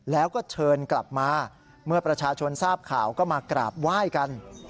แล้วก็เชิญกลับมาเมื่อประชาชนทราบข่าวก็มากราบไหว้กัน